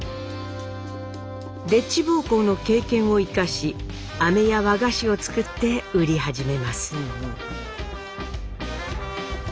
でっち奉公の経験を生かしあめや和菓子を作って売り始めます。